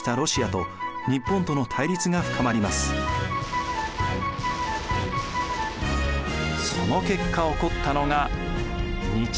その結果起こったのが日露戦争です。